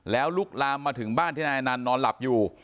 แล้วลุกลามมาถึงบ้านที่นายอนันต์นอนหลับอยู่